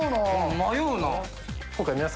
迷うなぁ。